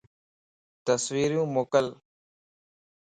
تصويريون موڪل